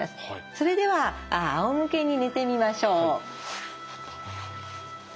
それではあおむけに寝てみましょう。